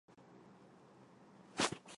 欲了解更多信息请见洛桑高商网站。